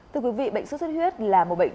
thưa quý vị bệnh xuất xuất huyết là một bệnh